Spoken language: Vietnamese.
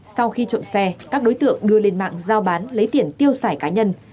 sau khi trộm xe các đối tượng đưa lên mạng giao bán lấy tiền tiêu xài cá nhân